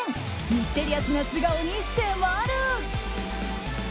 ミステリアスな素顔に迫る。